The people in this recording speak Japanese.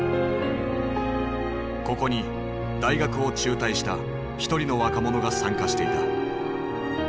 ここに大学を中退した一人の若者が参加していた。